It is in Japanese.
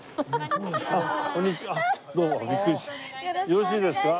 よろしいですか？